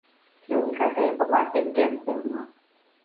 ფილმი გადაიღო მარტინ კემპბელმა.